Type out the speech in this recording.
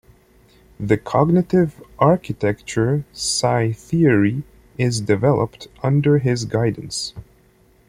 The cognitive architecture Psi-Theory is developed under his guidance.